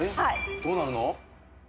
どうなるの？